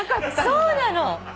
そうなの！